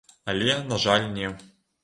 Але, на жаль, не.